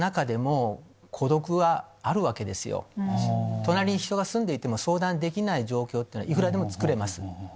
隣に人が住んでいても相談できない状況っていうのはいくらでもつくれます。